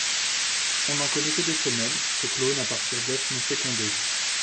On n'en connait que des femelles qui se clonent à partir d'œufs non fécondés.